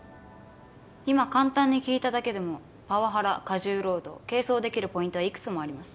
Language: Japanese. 今簡単に聞いただけでもパワハラ過重労働係争できるポイントは幾つもあります。